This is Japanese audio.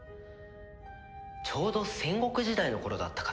ちょうど戦国時代の頃だったかな。